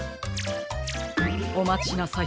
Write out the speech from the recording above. おまちなさい。